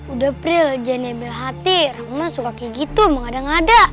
udah prih lo jangan ambil hati orang emang suka kayak gitu mau ada ngada